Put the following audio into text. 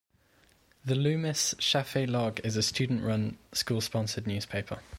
The Loomis Chaffee Log is a student-run, school-sponsored newspaper.